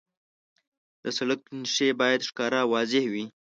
د سړک نښې باید ښکاره او واضح وي.